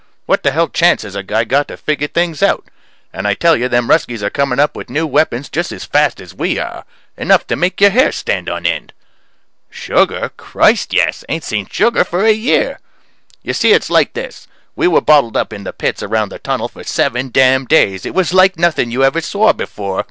What the hell chance has a guy got to figure things out? And I tell you them Ruskies are coming up with new weapons just as fast as we are. Enough to make your hair stand on end. Sugar? Christ, yes! Ain't seen sugar for a year. You see, it's like this: we were bottled up in the pits around the Tunnel for seven damn days. It was like nothing you ever saw before.